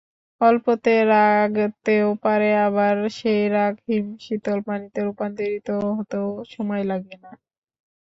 অল্পতে রাগতেও পারেন, আবার সেই রাগ হিমশীতল পানিতে রূপান্তরিত হতেও সময় লাগে না।